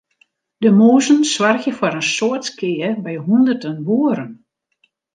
De mûzen soargje foar in soad skea by hûnderten boeren.